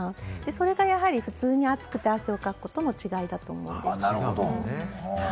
それが普通に暑くて汗をかくことの違いだと思います。